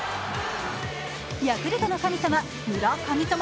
ヤクルトの神様、村神様